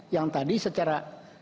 yang tadi secara